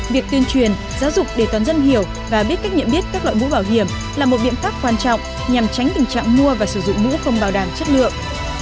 việc tuyên truyền giáo dục để toàn dân hiểu và biết cách nhận biết các loại mũ bảo hiểm là một biện pháp quan trọng nhằm tránh tình trạng mua và sử dụng mũ không bảo đảm chất lượng